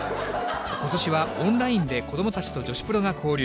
ことしはオンラインで、子どもたちと女子プロが交流。